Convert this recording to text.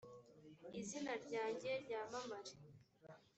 izina ryanjye ryamamare